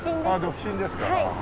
独身ですか。